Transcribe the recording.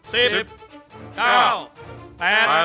หมดเวลา